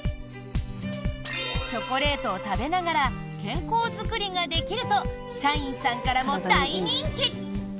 チョコレートを食べながら健康作りができると社員さんからも大人気。